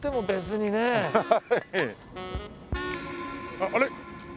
あっあれ？